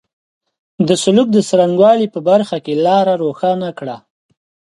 د سلوک د څرنګه والي په برخه کې لاره روښانه کړه.